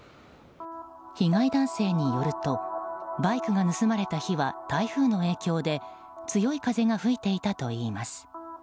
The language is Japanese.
被害男性によるとバイクが盗まれた日は台風の影響で強い風が吹いていたといいます。